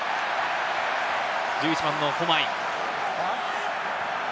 １１番のフォマイ。